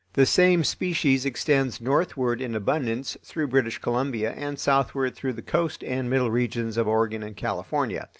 The same species extends northward in abundance through British Columbia and southward through the coast and middle regions of Oregon and California.